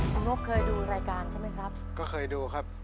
คุณนกเคยดูรายการใช่ไหมครับก็เคยดูครับ